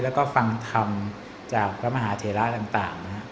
แล้วก็ฟังธรรมจากพระมหาเถระต่าง